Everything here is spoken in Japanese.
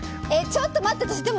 ちょっと待って。